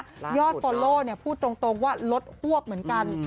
ยอดฟอลโล่พูดตรงว่าลดฮวบเหมือนกัน